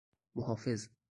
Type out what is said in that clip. محافظ